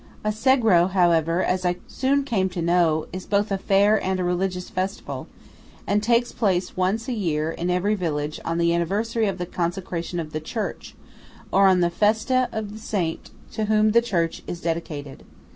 A Sagro, however, as I soon came to know, is both a fair and a religious festival, and takes place once a year in every village on the anniversary of the consecration of the church, or on the festa of the saint to whom the church is dedicated.